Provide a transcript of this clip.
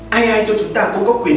ai ai cho chúng ta cũng có quyền